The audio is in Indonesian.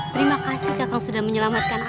terima kasih kakak sudah menyelamatkan aku